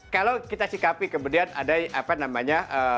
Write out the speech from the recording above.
kalau kita sikapi kemudian ada apa namanya